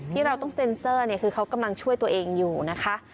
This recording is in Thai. ที่เราต้องเซ็นเซอร์เนี่ยคือเขากำลังช่วยตัวเองอยู่นะคะ